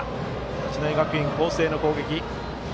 八戸学院光星の攻撃。